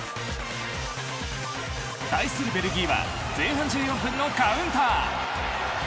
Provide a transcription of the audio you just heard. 対するベルギーは前半１４分のカウンター。